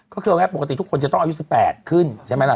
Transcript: ก็คือเอาง่ายปกติทุกคนจะต้องอายุ๑๘ขึ้นใช่ไหมล่ะ